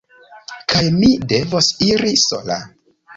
Kaj mi devos iri sola.